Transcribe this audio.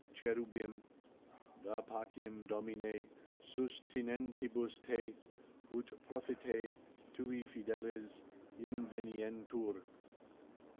Cherubim: ^^a pacem, Domine, sustinentibus te, ut Prophetae tui fideles inveniantur.